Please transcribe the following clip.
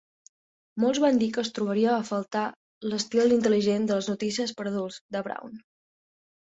Molts van dir que es trobaria a faltar l'estil intel·ligent de les "notícies per a adults" de Brown.